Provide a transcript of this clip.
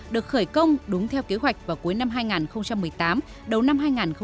được khởi công đúng theo kế hoạch vào cuối năm hai nghìn một mươi tám đầu năm hai nghìn một mươi chín